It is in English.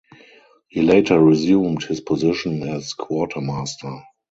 He later resumed his position as quartermaster.